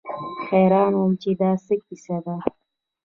حيران وم چې دا څه کيسه ده.